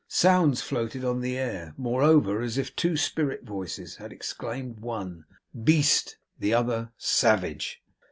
Sounds floated on the air, moreover, as if two spirit voices had exclaimed: one, 'Beast!' the other, 'Savage!